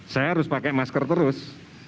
saya harus pakai masker terus